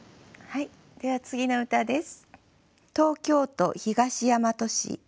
では次の歌です。